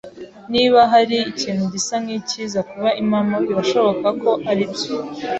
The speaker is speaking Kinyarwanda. Niba hari ikintu gisa nkicyiza kuba impamo, birashoboka ko aribyo.